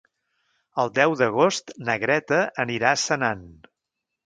El deu d'agost na Greta anirà a Senan.